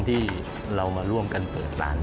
ที่เรามาร่วมกันเปิดร้าน